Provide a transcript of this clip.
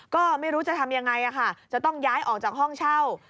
ก็ไม่รู้จะทำยังไงจะต้องย้ายออกจากห้องเช่า